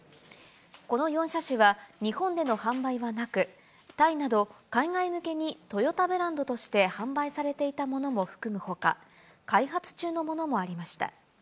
この４車種は日本での販売はなく、タイなど、海外向けにトヨタブランドとして販売されていたものも含むほか、開発中のものもありました。